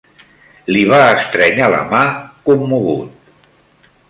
Li va estrènyer la ma, commogut